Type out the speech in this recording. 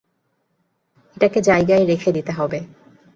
এটাকে জায়গায় রেখে দিতে হবে।